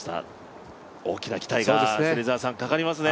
大きな期待がかかりますね。